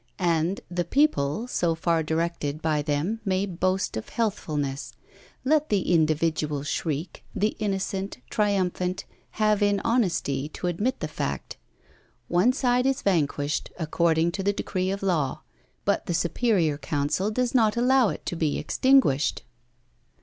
And the People so far directed by them may boast of healthfulness. Let the individual shriek, the innocent, triumphant, have in honesty to admit the fact. One side is vanquished, according to decree of Law, but the superior Council does not allow it to be extinguished.